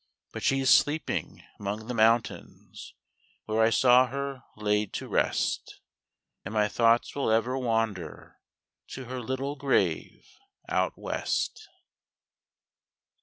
But she's sleeping 'mong the mountains, Where I saw her laid to rest; And my thoughts will ever wander To her little grave out West.